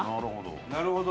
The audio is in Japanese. なるほど。